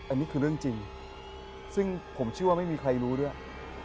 อันนี้คือเรื่องจริงซึ่งผมเชื่อว่าไม่มีใครรู้ด้วย